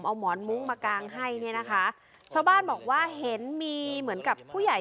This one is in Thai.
เอาหมอนมุ้งมากางให้เนี่ยนะคะชาวบ้านบอกว่าเห็นมีเหมือนกับผู้ใหญ่